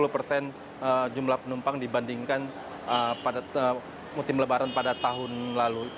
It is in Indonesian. lima puluh persen jumlah penumpang dibandingkan pada musim lebaran pada tahun lalu